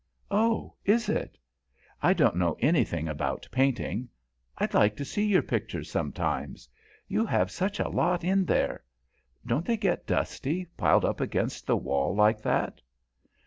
"Oh, is it? I don't know anything about painting. I'd like to see your pictures sometime. You have such a lot in there. Don't they get dusty, piled up against the wall like that?"